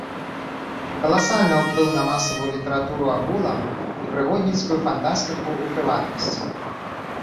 Каласальна ўплыў на масавую літаратуру агулам і прыгодніцкую фантастыку ў прыватнасці.